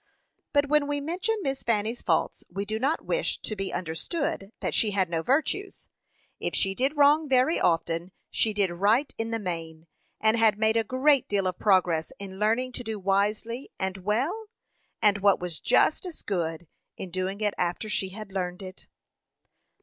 But when we mention Miss Fanny's faults, we do not wish to be understood that she had no virtues. If she did wrong very often, she did right in the main, and had made a great deal of progress in learning to do wisely and well, and, what was just as good, in doing it after she had learned it.